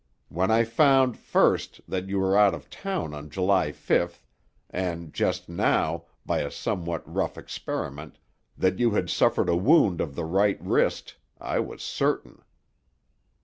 When I found, first, that you were out of town on July fifth, and, just now, by a somewhat rough experiment, that you had suffered a wound of the right wrist, I was certain."